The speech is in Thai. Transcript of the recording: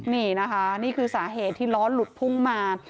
นี่นะคะนี่คือสาเหตุที่ล้อหลุดพุ่งมา